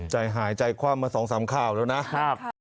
ใจหายใจความมาสองสามข้าวแล้วนะครับ